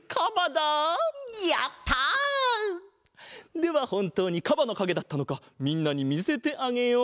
ではほんとうにかばのかげだったのかみんなにみせてあげよう！